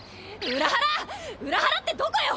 裏原⁉裏原ってどこよ